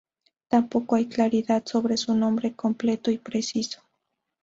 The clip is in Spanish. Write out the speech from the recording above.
Tampoco hay claridad sobre su nombre completo y preciso.